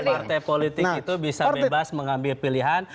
partai politik itu bisa bebas mengambil pilihan